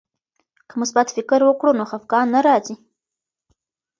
که مثبت فکر وکړو نو خفګان نه راځي.